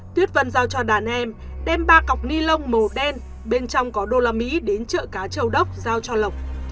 tuyết vân giao cho đàn em đem ba cọc ni lông màu đen bên trong có đô la mỹ đến chợ cá châu đốc giao cho lộc